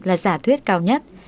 là giả thuyết cao nhất